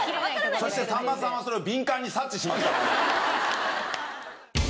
そしてさんまさんはそれを敏感に察知しますからね。